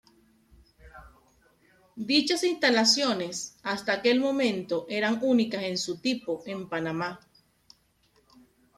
Dichas instalaciones, hasta aquel momento, eran únicas en su tipo, en Panamá.